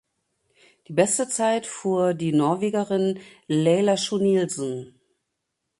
Die beste Zeit fuhr die Norwegerin Laila Schou Nilsen.